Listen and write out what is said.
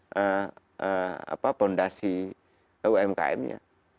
membangun fondasi umkmnya